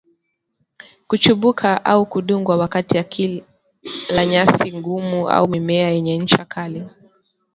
kuchubuka au kudungwa wakati akila nyasi ngumu au mimea yenye ncha kali